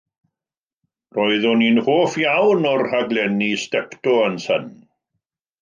Roeddwn i'n hoff iawn o'r rhaglenni Steptoe and son.